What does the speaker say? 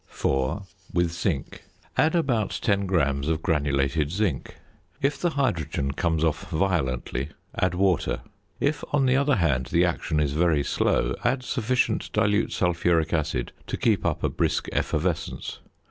4. With Zinc. Add about 10 grams of granulated zinc; if the hydrogen comes off violently add water; if, on the other hand, the action is very slow, add sufficient dilute sulphuric acid to keep up a brisk effervescence.